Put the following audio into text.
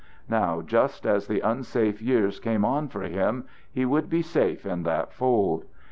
Now just as the unsafe years came on for him, he would be safe in that fold.